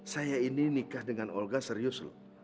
saya ini nikah dengan olga serius loh